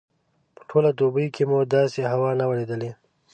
په ټوله دوبي کې مو داسې هوا نه وه لیدلې.